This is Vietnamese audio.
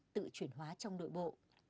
tự chuyển hóa trong nội bộ